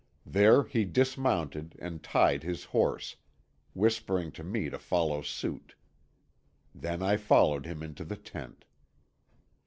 There he dismounted and tied his horse, whispering to me to follow suit. Then I followed him into the tent.